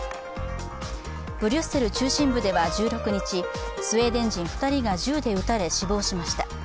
ブリュッセル中心部では１６日スウェーデン人２人が銃で撃たれ死亡しました。